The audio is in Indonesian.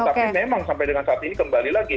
tapi memang sampai dengan saat ini kembali lagi